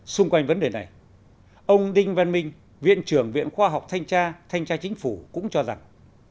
xung quanh vấn đề này ông đinh văn minh viện trưởng viện khoa học thanh tra thanh tra chính phủ cũng cho rằng